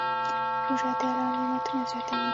روژه د الله نعمتونه زیاتوي.